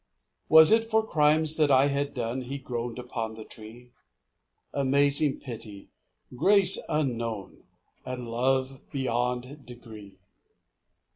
] 3 Was it for crimes that I had done He groan'd upon the tree? Amazing pity! grace unknown! And love beyond degree!